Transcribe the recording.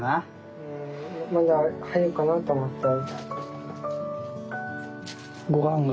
まだ入るかなと思って。